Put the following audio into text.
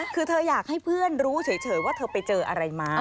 คือเธออยากให้เพื่อนรู้เฉยว่าเธอไปเจออะไรมา